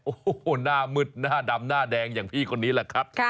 โอ้โหหน้ามืดหน้าดำหน้าแดงอย่างพี่คนนี้แหละครับ